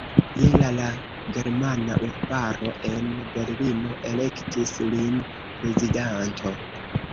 Je la la Germana Urbaro en Berlino elektis lin prezidanto.